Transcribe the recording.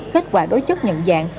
kết quả đối chất nhận dạng